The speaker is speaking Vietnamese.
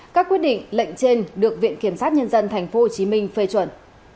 các quyết định lệnh trên được viện kiểm sát nhân dân tp hcm phê chuẩn